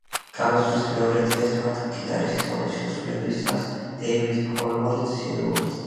გამოსვლის მეორე დღეს მათ გიტარის სოლოს შესრულებისას დეივიდ გილმორიც შეუერთდა.